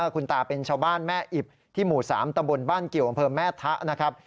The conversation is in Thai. คุณตาเป็นชาวบ้านแม่อิบที่หมู่๓ตำบลบ้านเกี่ยวอำเภอแม่ทะนะครับ